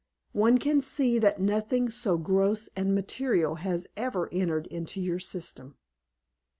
"One can see that nothing so gross and material has ever entered into your system."